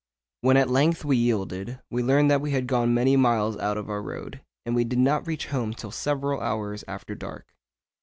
When at length we yielded, we learned that we had gone many miles out of our road, and we did not reach home till several hours after dark.